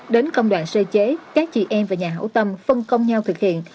đến công đoàn xây chế các chị em và nhà hậu tâm phân công nhau thực hiện